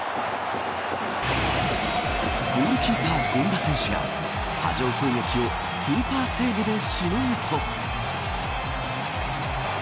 ゴールキーパー権田選手が波状攻撃をスーパーセーブでしのぐと。